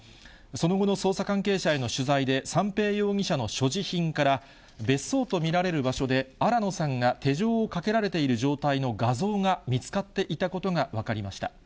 その後の捜査関係者への取材で、三瓶容疑者の所持品から、別荘と見られる場所で、新野さんが手錠をかけられている状態の画像が見つかっていたことが分かりました。